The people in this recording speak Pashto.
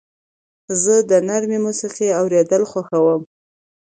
زه د نرمې موسیقۍ اورېدل خوښوم.